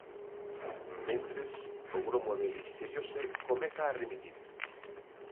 Mentres, o gromo de listeriose comeza a remitir.